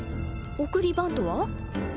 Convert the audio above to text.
送りバントは？